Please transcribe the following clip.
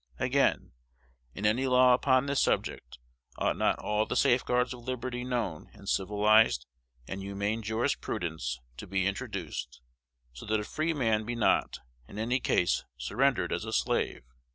Again, in any law upon this subject, ought not all the safeguards of liberty known in civilized and humane jurisprudence to be introduced, so that a free man be not, in any case, surrendered as a slave?